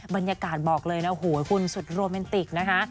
บรรยากาศบอกเลยนะโอ้โหคุณสุดโรแมนติกนะคะ